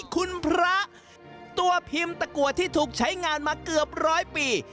คุณพระตัวพิมพ์ตะกัวที่ถูกใช้งานมาเกือบร้อยปี